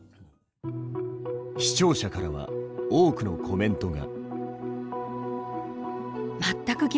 視聴者からは多くのコメントが。